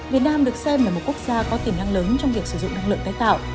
việt nam được xem là một quốc gia có tiềm năng lớn trong việc sử dụng năng lượng tái tạo